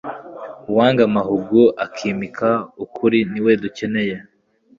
uwanga amahugu akimika ukuri niwe dukeneye